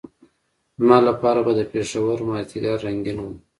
زما لپاره به د پېښور مازدیګر رنګین وو.